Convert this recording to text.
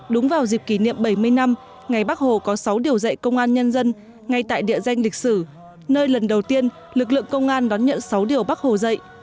đúng vào dịp kỷ niệm bảy mươi năm ngày bắc hồ có sáu điều dạy công an nhân dân ngay tại địa danh lịch sử nơi lần đầu tiên lực lượng công an đón nhận sáu điều bác hồ dạy